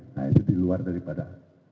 nah itu diluar daripada